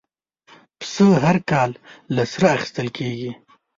پسه هر کال له سره اخېستل کېږي.